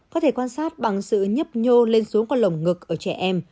có thể quan sát bằng sự nhấp nhô lên xuống còn lồng ngực ở trẻ em